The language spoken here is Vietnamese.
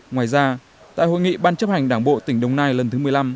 ngoài ra tại hội nghị ban chấp hành đảng bộ tỉnh đồng nai lần thứ một mươi năm